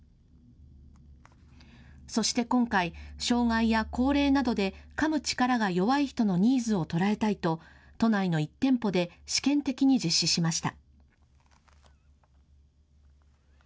そして今回、障害や高齢などでかむ力が弱い人のニーズを捉えたいと都内の１店舗で試験的に実施しました。